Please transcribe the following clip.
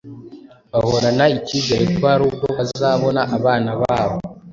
bahorana ikizere ko hari ubwo bazabona abana babo